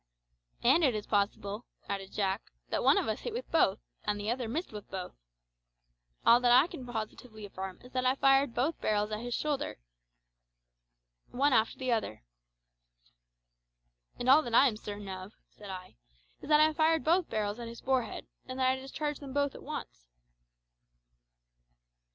"And it is possible," added Jack, "that one of us hit with both, and the other missed with both. All that I can positively affirm is that I fired both barrels at his shoulder one after the other." "And all that I am certain of," said I, "is that I fired both barrels at his forehead, and that I discharged them both at once."